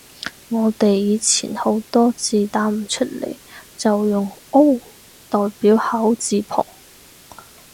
我哋以前好多字打唔出來，就用 O 代表口字旁